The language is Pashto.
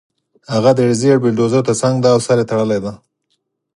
هغه د زېړ بلډیزور ترڅنګ دی او سر یې تړلی دی